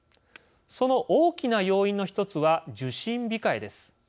その大きな要因の１つは「受診控え」です。